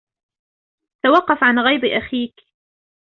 توقف عن غيظ أخيك!